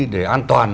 để an toàn